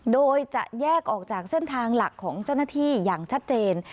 โดยจะแยกออกจากเส้นทางหลักของเจ้าหน้าที่อย่างชัดเจน